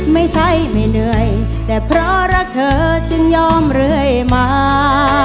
ไม่ใช่ไม่เหนื่อยแต่เพราะรักเธอจึงยอมเรื่อยมา